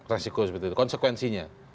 resiko seperti itu konsekuensinya